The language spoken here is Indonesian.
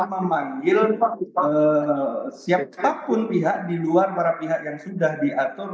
memanggil siapapun pihak di luar para pihak yang sudah diatur